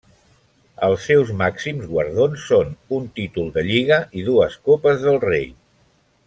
Els seus màxims guardons són un títol de Lliga i dues copes del Rei.